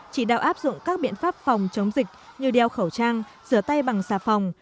chỉ đạo áp dụng các biện pháp phòng chống dịch như đeo khẩu trang rửa tay bằng xà phòng